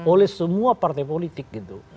oleh semua partai politik gitu